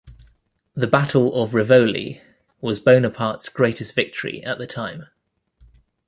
The Battle of Rivoli was Bonaparte's greatest victory at the time.